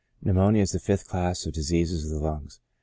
Pneumonia is the fifth class of diseases of the lungs.